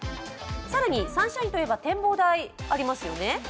更に、サンシャインといえば展望台がありますよね。